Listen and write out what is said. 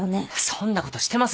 そんなことしてませんよ。